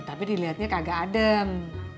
tapi dilihatnya kagak adem